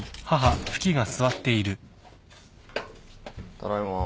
ただいま。